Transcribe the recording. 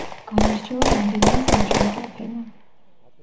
განირჩევა რამდენიმე სამშენებლო ფენა.